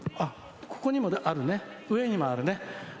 ここにもあるね、上にもあるね。